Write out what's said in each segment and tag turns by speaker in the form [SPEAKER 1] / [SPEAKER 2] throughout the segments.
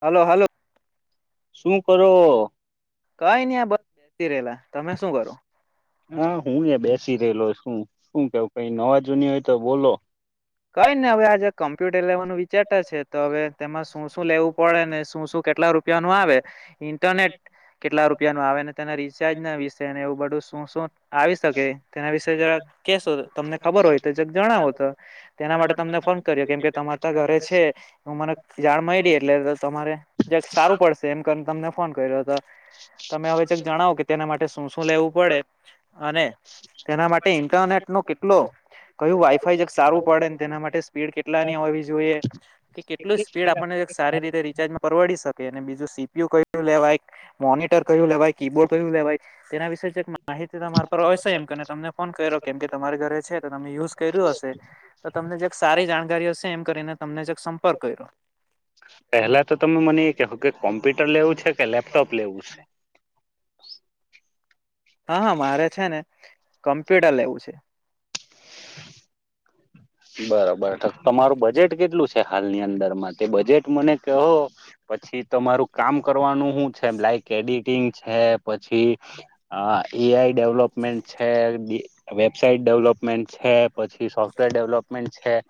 [SPEAKER 1] Hello, hello.
[SPEAKER 2] શું કરો? હા, હું એ બે સિરિલો છું હું કેવ કઈ નવું જૂની હોય તો બોલો.
[SPEAKER 1] કઈ ને, હવે આજે કોમ્પ્યુટર લેવાનું વિચારતા છે, તો હવે તેમાં શું-શું લેવું પડે ને શું-શું કેટલા રૂપિયાનું આવે ઇન્ટરનેટ? કેટલા રૂપિયાનું આવે તે. જેના વિશેને એવું બધું શું-શું આવી શકે તેના વિશે જરા કેશો, તમને ખબર હોય તો જણાવો તો. એના માટે તમને ફોન કર્યો. કેમ કે તમારે ત ઘરે છે, હું મને જાણ મળીલી એટલે તમારે સારું પડશે એમ કરીને તમને ફોન કર્યો હતો. તમે હવે કંઈક જણાવો કે, તેના માટે શું-શું લેવું પડે અને તેના માટે ઇન્ટરનેટનો કેટલો કયું વાઈફાઈ જે સારું પડે, ને તેના માટે સ્પીડ કેટલાની હોવી જોઈએ. કે કેટલું સ્પીડ આપણને સારી રીતે રિચાર્જમાં પરવડી શકે અને બીજું સીપીયુ કયું લેવાય. મોનિટર કયું લેવાય, કીબોર્ડ કયું લેવાય તેના વિશે માહિતી તમારા પર હશે એમ કે તમને ફોન કર્યો, કેમ કે તમારે ઘરે છે તો તમે યુઝ કર્યું હશે. તો તમને જે સારી જાણકારીઓ હશે, એમ કરીને તમને જ સંપર્ક કર્યો.
[SPEAKER 2] પહેલા તો તમે મને એ કહો કે કોમ્પ્યુટર લેવું છે? કે લેપટોપ લેવું છે?
[SPEAKER 1] હા, હા, મારે છે ને કમ્પ્યુટર લેવું છે.
[SPEAKER 2] બરાબર, તમારું બજેટ કેટલું છે? હાલની અંદરમાં તે બજેટ મને કો. પછી તમારું કામ કરવાનું શું છે? મેં કંઈક એડિટિંગ છે? પછી હ, એ આઇ ડેવલપમેન્ટ છે? વેબસાઇટ ડેવલપમેન્ટ છે? પછી સોફ્ટ ર ડેવલપમેન્ટ છે?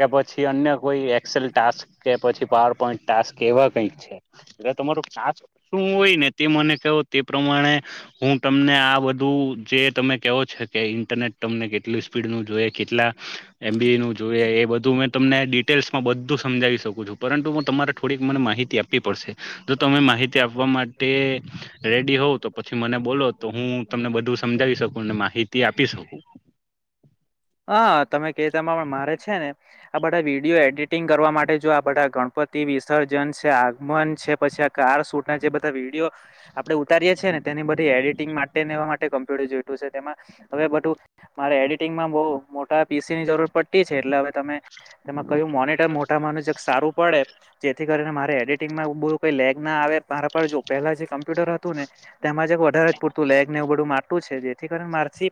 [SPEAKER 2] કે પછી અન્ય કોઈ એક્સેલ ટાસ્ક કે પછી પાવર પોઈન્ટ ટાસ્ક કેવા કંઈક છે, એટલે તમારું પાાસ શું હોય ને તે, મને કહો, તે પ્રમાણે હું તમને આ બધું જે તમે કેવો છે, કે ઇન્ટરનેટ તમને કેટલુ સ્પીડનું જોઈએ. કેટલા એમબીનું જોઈએ, એ બધું મેં તમને ડિટેલ્સમાં બધું સમજાવી શકું છું, પરંતુ હું તમારે થોડી મને માહિતી આપવી પડશે જો તમે માહિતી આપવા માટે રેડી હોવ તો, પછી મને બોલ બોલો, તો હું તમને બધું સમજાવી શકું અને માહિતી આપી શકું.
[SPEAKER 1] હા, તમે કેવામાં પણ મારે છે ને આ બધા વિડીયો એડિટિંગ કરવા માટે જો આ બધા ગણપતિ વિસર્જન છે, આગમન છે, પછી કાર શૂટ ના જે બધા વિડીયો આપણે ઉતારીએ છીએ ને તેની બધી એડિટિંગ માટે ને મ્પ્યુટર તેમાં હવે બધું મારે એડિટિંગમાં બો મોટા પીસીની જરૂર પડતી છે, એટલે હવે તમે એમાં કયું મોનિટર મોટા માનું જરાક સારું પડે, જેથી કરીને મારે એડિટિંગમાં બો લેગના આવે મારા જો પહેલા જે કમ્પ્યુટર હતું ને, તેમાં જ વધારે જ પૂરતું લેગ એવું બધું માટું છે, જેથી મારાથી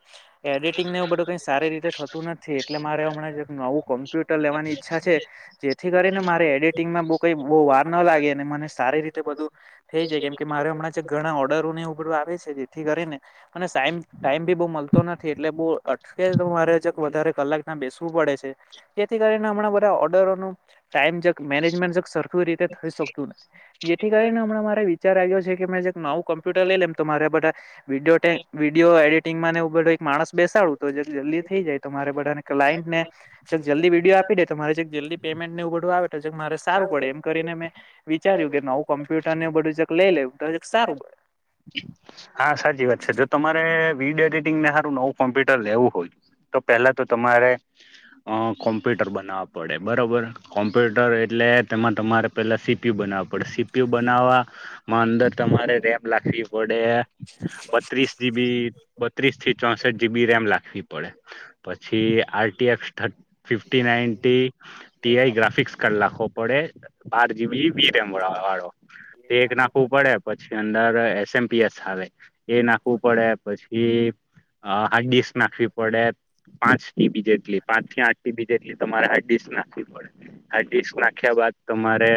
[SPEAKER 1] એડિટિંગ ને એવું બધું ક સારી રીતે થતું નથી. એટલે મારે હમણાં નવું કમ્પ્યુટર લેવાની ઈચ્છા છે. જેથી કરીને મારે એડિટિંગમાં બહુ કઈ બહુ વાર ન લાગે, ને મને સારી રીતે બધું થઈ જાય કેમ કે મારે હમણાં ઘણા ઓર્ડરો આવે છે, જેથી કરીને [unintelligible] ટાઈમ બી બોવ મળતો નથી એટલે બો અટકે તો મારે વધારે કલાક ના બેસવું પડે છે, જેથી કરીને હમણાં બધા ઓર્ડરોનું ટાઈમ જ મેનેજમેન્ટ સરખું રીતે થઈ શકતું નથી, જેથી કરીને હમણાં મારે વિચાર આવ્યો છે, કે મેં નવું કોમ્પ્યુટર લઈ લેમ તો મારે વિડીયો એડ એક માણસ બેસાડું તો, જે જલ્દી થઈ જાય તો મારે ક્લાયન્ટને જલ્દી વિડીયો આપી દે તો મારે જલ્દી પેમેન્ટ ને એવું બધું આવે કે મારે સારું પડે એમ કરીને મેં વિચાર્યું કે નવું કમ્પ્યુટર ને એવુ બધું જક લઈ લેવું.
[SPEAKER 2] હા સાચી વાત છે. જો તમારે વિડ એડિટિંગને હારુ નવું કોમ્પ્યુટર લેવું હોય તો પેલા તો તમારે અ કોમ્પ્યુટર ટર બનાવા પડે બરોબર કોમ્પ્યુટર એટલે તેમાં તમારે પેલા સીપીયુ બનાવવા પડે પીયુ બનાવા માં અંદર તમારે રેમ નાખવી પડે બત્રીસ જીબી બત્રીસ થી ચોસઠ જીબી રેમ નાખવી પડે પ પછી આરટીએફ થર ફિફ્ટીનાઈન થી ટીઆઈ ગ્રાફિકસ કર નાખવો પડે. બાર જીબી વી રેમ વા વાળો તે એક નાખવું પડે પછી અંદર એસ એમ પી એસ આવે એ નાખવું પડે પછી અ હાર્ડ ડિસ્ક નાખવી પડે પાંચ ટીબી જેટલી પાંચથી આઠ ટીબી જેટલી તમારે હ ડીસ્ક નાખવી પડે. આ ડીસ્ક નાખ્યા બાદ તમારે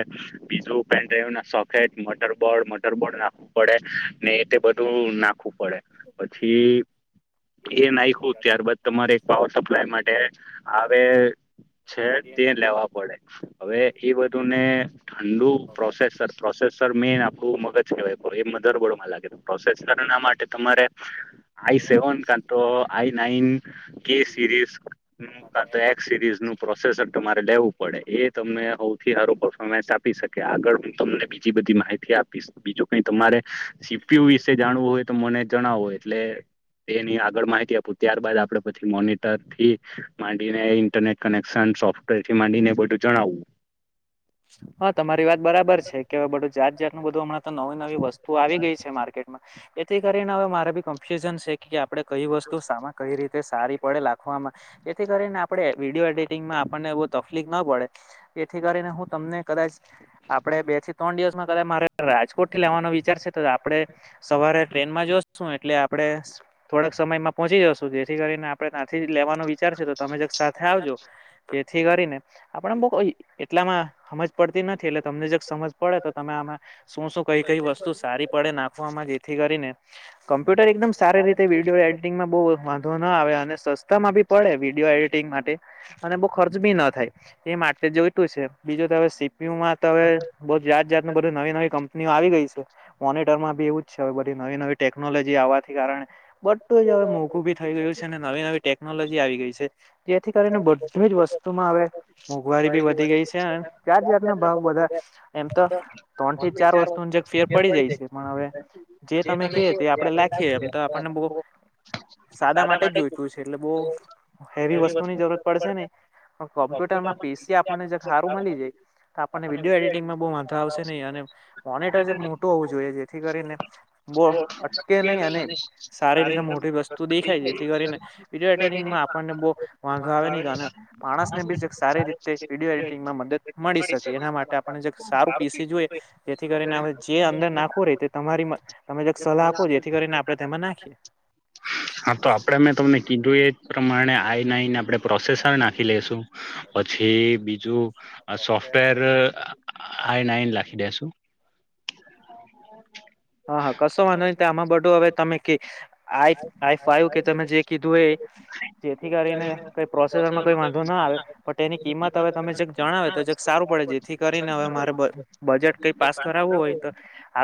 [SPEAKER 2] બીજું પેન ડ્રાઈવને સફેદ મટરબર્ડ મટરબર્ડ નાખવું પડે ને એ તે બધું નાખવું પડે પછી એ નાખ્યુ ત્યારબાદ તમારે પાવર સપ્લાય માટે આવે છે તે લેવા પડે. હવે એ બધુંને ઠંડુ પ્રોસેસર પ્રોસે સર મેન આપડુ મગજ કેવાય, એ મધરબોડમાં લાગે. પ્રોસેસરના માટે તમારે આઈ સેવન કા તો આઈ નાઈન કે સિરીઝનું કાતો એક્સ સીરીઝનું પ્રોસેસર તમારે લેવું પડે એ તમને હઉથી સારું પર્ફોર્મન્સ આપી શકે આગળ હું તમને બીજી બધી માહિતી આપીશ. બીજું કઈ તમારે સીપીયુ વિશે જાણવું હોય તો મને જણાવો એટલે એની આગળ માહિતી આપું ત્યારબાદ આપડે પછી મોનિટરથી માંડીને ઇન્ટરનેટ કનેક્શન સોફ્ટવેરથી માંડીને બધું જણાવવું.
[SPEAKER 1] હા તમારી વાત બરાબર છે કે હવે બધું જાત જાતનું બધું હમણાં તો નવી નવી વસ્તુ ત આવી ગઈ છે માર્કેટમાં એથી કરીને હવે મારે બી કન્ફ્યુઝન છે કે આપણે કઈ વસ્તુ સામા કઈ રીતે તે સારી પડે લાખવામાં જેથી કરીને આપડે વિડીયો એડિટિંગમાં આપણને બઉ તકલીફ ન પડે જેથી કરીને હું તમને કદાચ આપડે બે થી ત્રણ દિવસમાં કદાચ મારે રાજકોટથી લેવાનો વિચાર છે. તો આપડે સવારે ટ્રેનમાં જશું એટલે આપડે થોડાક સમયમાં પહોંચી જશું જેથી કરીને ત્યાંથી લેવાનો વિચાર છે. તો તમે જરીક સાથે આવજો તેથી કરીને આપડ બહ એટલામાં સમજ પડતી નથી એટલે તમને જે સમજ પડે તો તમે આમાં શું શું કઈ કઈ વસ્તુ સારી પડે નાખવામાં થી કરીને કમ્પ્યુટર એકદમ સારી રીતે વિડીયો એડિટિંગમાં બઉ વાંધો ના આવે અને સસ્તામાં બી પડે વિડીયો એડિટિંગ માટે અને બઉ ખર્ચ બી ન થાય. એ માટે જોઈતું છે. બીજું તો હવે સીપીયુમાં તો હવે બઉ જાત જાતનું બધું નવી નવી કંપ આવી ગઈ છે. મોનિટરમાં એવું જ છે બધી નવી નવી ટેકનોલોજી આવવાથી કારણે બધે જ હવે મોંઘું ભી થઈ ગયું છે. અને નવી નવી ટેકનોલોજી આવી ગઈ છે. જેથી કરીને બધી જ વસ્તુ વસ્તુમાં હવે મોંઘવારી બી વધી ગઈ છે. જાત જાતના ભાવ બધા એમ તો ત્રણથી ચાર વસ્તુને જક ફેર પડી જાય છે. પણ હવે જે તમે કે તે આપડે લાખીએ એમ તો આપણને
[SPEAKER 2] સાદા માટે જ એવી વસ્તુની જરૂર પડશે. કપ્યુટરમાં [inaudible]
[SPEAKER 1] મલી જાય તો આપણને વિડીયો એડિટંગમાં બઉ વાંધો આવશે નહી અને મોનિટર જે મોટું હોવું જોઈએ. જેથી કરીને બઉ અટકે નહી અને સારી રીતે મોટી વસ્તુ દેખાય જેથી કરીને વિડીયો એડિટિંગમાં આપણને બઉ વાંધો આવે નહી. માણસને બી જક સારી રીતે વિડીયો એડી ટીંગમાં મદદ મળી શકે એના માટે આપણે જક સારું પીસી જોઈએ જેથી કરીને જે અંદર નાખવું રીતે તમારી મ તમે જે સલાહ આપો જેથી કરીને આપણે તેમાં નાખીએ.
[SPEAKER 2] હા, તો આપડે મેં તમને કીધું એ જ પ્રમાણે આપણે પ્રોસેસર નાખી લેશું પછી બીજું સોફ્ટવેર આઈન આઈન લખી દેસું
[SPEAKER 1] હા હા કશો વાંધો ન તો આમાં બધું હવે તમે કે આઈ આઈ ફાઈવ કે તમે જે કીધું એ જેથી કરીને પ્રોસેસરમાં કઈ વાંધો ના આવે પણ એની કિંમત હવે તમેક જણાવે તો જેક સારું પડે જેથી કરીને હવે મારે બજેટ કઈ પાસ કરાવવું હોય તો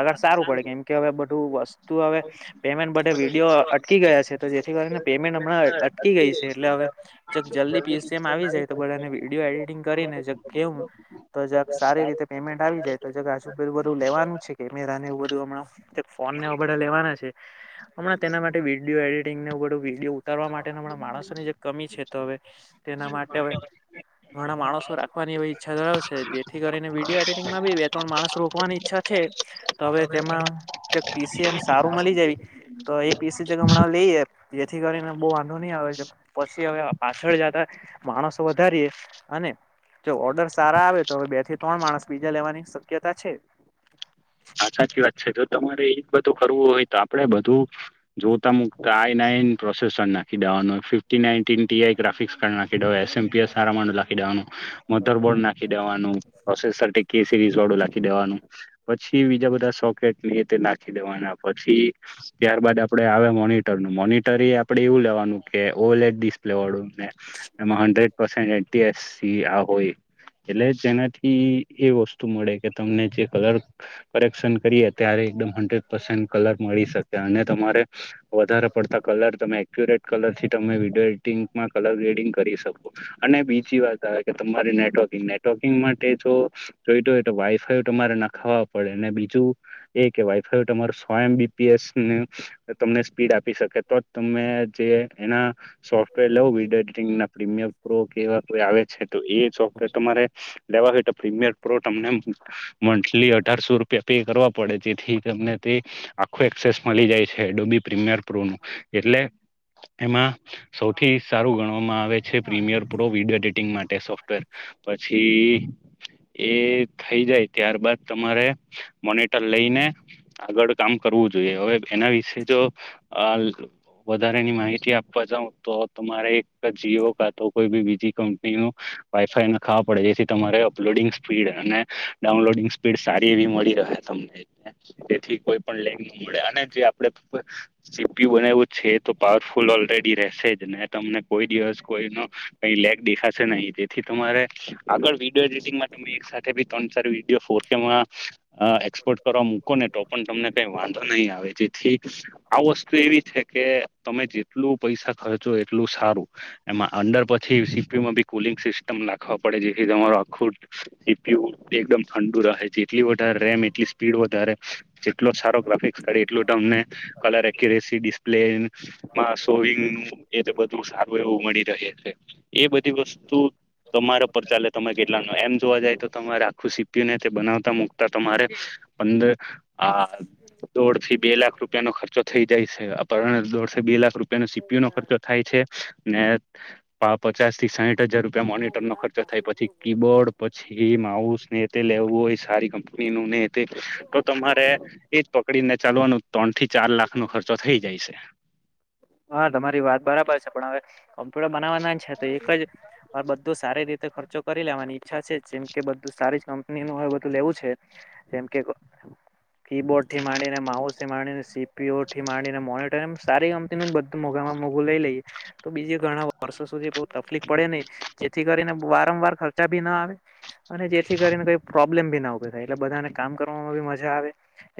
[SPEAKER 1] આગળ સારું પડે કેમ કે હવે બધું વસ્તુ હવે પેમેન્ટ બધે વિડીયો અટકી ગયા છે તો જેથી કરીને પેમેન્ટ હમણાં અટકી ગઈ છે એટલે હવે જગ જલ્દી પીએસસીમ આવી જાય તો બધાને વિડીયો એડિટિંગ કરીને કેવું તો જક સારી રીતે પેમેન્ટ આવી જાય તો જ હજુું બધું લેવાનું છે કેમેરા બધું હમ ફ બ લેવાના છે હમણાં તેના માટે વિડીયો એડિટિંગને ઉપર વિડીયો ઉતારવા માટેના પણ માણસોની જે કમી છે તો હવે તેના માટે હવે ઘણા માણસો રાખવાની ઈચ્છા ધરાવ છે જેથી કરીને વિડીયો એડિટિંગમાં બી બે ત્રણ માણસ રોવાની ઈચ્છા છે તો હવે તેમાં પીસી એમ સારું મળી જ એક પીસી હમણાં લઈએ જેથી કરીને બહુ વાંધો નહી આવે છે પછી હવે પાછળ જતા માણસો વધારીએ અને જો ઓર્ડર સારા આવે તો હવે બે થી ત્રણ માણસ બીજા લેવાની શક્યતા છે
[SPEAKER 2] હા સાચી વાત છે તમારે એજ બધું કરવું હોય તો આપડે બધું જોતા મકતા આયનેય પ્રોસેસન નાખી દેવાનું ફિફ્ટી નાઇન્ટટી ટીઆ ગ્રાફિક્સ કાર લખીઉવા એસએમપીસ સા મા લખીવાનું મોટર બોર્ડ નાખી દેવાનું પ્રોસેસર સિરીઝ વોડ નાખી દેવાનું પછી બીજા બધા સોકેટ ની તે નાખી દેવાના પછી ત્યાર બાદ આપડે આવે મોનિટર નું મો મોનિટરી આપડે એવું લેવાનું કે ઓવલેજ ડિસ્પ્લે વાળું એ હડડસ આ હોય એટલે જેનાથી એ વસ્તુ મળે કે તમને જે કલર કરીએ ત્યારે એકમ હડ્રેડ પસે કલર મળી શકે અને તમારે વધારે પડતા કલર તમે ટ કલરથી તમે વિડીયો એડિટિંગમાં કલર એડિંગ કરી શકો, અને બીજી વાત આવે કે તમા નેટવર્કિંગ નેટવર્કિંગ માટે જો, જોઈ હોય તો વાઈફાઈ તમારે નાખાવા પડે અને બીજું, એ કે વાયફાઈ તમા સો એમ બી પી એસ તમને સ્પીડ આપી શકે તો જ તમે જે એના, સોફ્ટવેર લઉ વિડીયો એડિટિંગ ના પ્રીમિયર પ્ર કેવા કોઈ આવે છે તો, એ તમારે લેવા હોય તો પ્રીમિયર તમને મથલી રૂપિયા પે કરવા પડે જેથી તમને તે, આખો એક્સેસ મળી જાય છે. ડોબી પ્રીમિયર પ્રોનું, એટલે એમાં સૌથી સારું ગણવામાં આવે છે પ્રીમિયર પ્રો વિડીિયો એડિટિંગ માટે સોફ્ટવેર. પછી એ થઈ જાય ત્યાર બાાદ તમારે, મોનીટર લઈને આગળ કામ કરવું જોઈએ હવે એના વિશે જો હાલ વધારેની માહિતી આપવા જાઉ તો તમારે જીઓ કા તો કોઈ બી બીજી કંપની નો, વાઈફાઈ ન ખાવા પડે જેથી તમારે અપલોડિંગ સ્પીડ અને, ડાઉનલોડિંગ ીડ સારી એવી મળી રહે તમને, તેથી કોઈ પણ લેન ન મળે અને જે આપે [unintelligible] લી બનાવું છે તો પાવરફુલ ઓલરેડી રહેશે જ ને તમને કોઈ દિવસ કોઈ ન, કઈ લે દેખાશે નહી જેથી તમારે, આગળ વિડીયો એડિટિંગમાં તમે એક સાથેી ત્રણ સાર વિડીયો ફો એક્સપોર્ટ કરવા મૂકો ને તો પણ તમને કઈ વાંધો નહીં આવે જેથી વસ્તુ એવી છે કે તમે જેટલું પૈસા ખર્ચો એટલું સારું, એમાં અંડર પછી સીીુમાં બી કુલિંગ સિસ્ટમ લખવા પડે જેથી તમાું આખું સીપી એકમં જેટલી વધારે રેમ એટલી સ્પીડ વધારે, જેટલો સારો ફિકા એટલુંમને કલર, એક્યુરેસી ડિસ્પ્લે સોવંગ એ ારું એવું મળી રહે છે એ બધી વસ્તુ તમારા પર ચાલે તમે કેટલા એમ જોવા જાય તો તમારે આખું સીપીને તે બનાવતા મુકતા તમારે, પંદર આ દોઢ થી બે લાખ રૂપિયાનો ખર્ચો થઇ જાય છે આપણને દોઢ થી બે લાખ રૂપિયાનો સી પી યુનો ખર્ચો થાય છે, ને પચાસ થી સાઈઠ હજાર રૂપિયા મોનીટર નો ખર્ચો થાય પછી કીબોર્ડ પછી માઉસને લેવુ હોય સારી કંપનીનું ને, તો તમારે એજ પકડીને ચાલવાનું ત્રણ થી ચાર ચાર લાખનો ખર્ચો થઈ જાય છે.
[SPEAKER 1] હા તમારી વાત બરાબર છે પણ હવે, કોમ્પ્યુટર બનાવવાના છે તો એક જ બધું સારી રીતે ખર્ચો કરી લેવાની ઈચ્છા છે જેમ કે બધું સારી જ કંપનીનું હોય એ બધું લેવું છે, જેમકે કીબોર્ડ થી માંડીને માઉસ થી માંડીને સી પી યુથી માંડીને મોનીટર. એમ સારી કંપની જ બધું મંગા મોંઘુ લઈ લઈએ, તો બીજા ઘણાં વર્ષો સુધી પડે નહી, જેથી કરીને વારંવાર ખર્ચા બી ના આવે અને જેથી કરીને કોઈ પ્રોબ્લેમ બી ના ઉભી થાય એટલે બધાને કામ કરવામાં બી મજા આવે,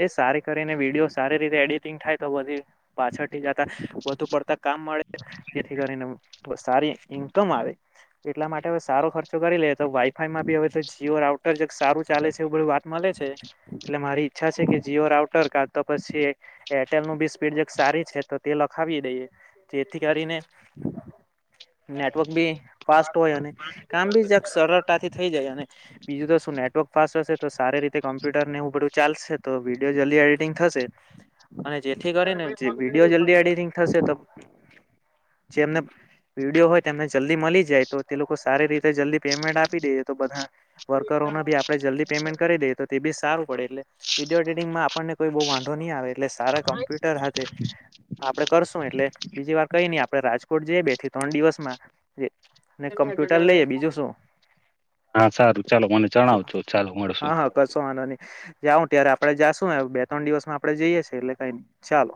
[SPEAKER 1] એ સારી કરીને વિડીયો સારી રીતે એડિટિંગ થાય તો બધી પાછળથી જતા, વધુ પડતા કામ મળે કરીને બહુ સારી ઈન્કમ આવે, એટલા માટે હવે સારો ખર્ચો કરી લ‌ઈએ તો વાઈફાઈમાં બી હવે તો જી ઓ રાઉટર સારું ચાલે છે એવું બધી વાત મળે છે.
[SPEAKER 2] [inaudible]
[SPEAKER 1] એટલે મારી ઈચ્છા છે કે જીઓ રાઉટર કાં તો પછી, ઍરટેલનું બી સ્પીડ જે સારી છે તો તે લખાવે દઈએ, જેથી કરીને
[SPEAKER 2] [inaudible]
[SPEAKER 1] નેટવર્ક બી ફાસ્ટ હોય અને, કામ બી જરાક સરળતાથી થઈ જાય અને બીજું તો શું નેટવર્ક ફાસ્ટ હશે તો સારી રીતે કોમ્પ્યુટરને એવું બધું ચાલશે તો વિડીયો જલ્દી એડિટિંગ થશે. અને જેથી કરીને જે વિડીયો જલ્દી એડિટિંગ થશે તો જેમને વિડીયો હોય તેમને જલ્દી મળી જાય તો તે લોકો સારી રીતે જલ્દી પેમેન્ટ આપી દેય તો બધા વર્કરોના બી આપણે જલ્દી પેમેન્ટ કરી લઈએ તો તે બી સારું. એટલે વિડીયો એડિટીંગમાં આપણને કોઈ બહુ વાંધો નહી આવે એટલે સારા કોમ્પ્યુટર સાથે આપણે કરશું એટલે બીજીવાર કંઈ નઈ આપણે રાજકોટ જઈએ બે થી ત્રણ દિવસમાં અને કમ્પ્યુટર લઈએે. બીજું શું? હા હા કશો વાંધો નહીં જાશું. અત્યારે આપણે જાશું હવે બે-ત્રણ દિવસમાં આપણે જઈએ છીએ એટલે કઈ ચાલો